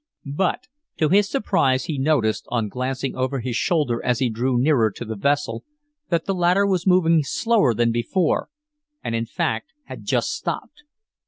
But to his surprise he noticed, on glancing over his shoulder as he drew nearer the vessel, that the latter was moving slower than before and in fact had just stopped.